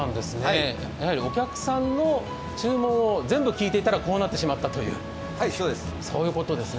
お客さんの注文を全部聞いていたらこうなってしまったということなんですね。